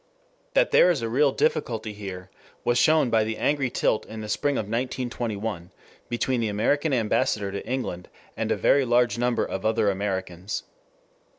That there is a real difficulty here was shown by an angry tilt in the spring of 1921 between the American Ambassador to England and a very large number of other Americans.